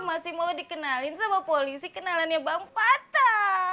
kenapa masih mau dikenalin sama polisi kenalannya bang patas